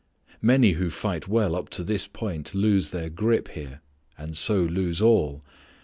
Many who fight well up to this point lose their grip here, and so lose all.